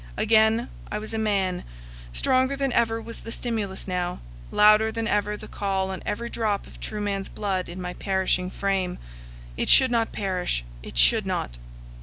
Again I was a man; stronger than ever was the stimulus now, louder than ever the call on every drop of true man's blood in my perishing frame. It should not perish! It should not!